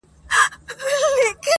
زړه طالب کړه د الفت په مدرسه کي-